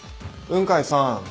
雲海さん。